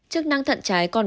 chức năng thận trái còn bốn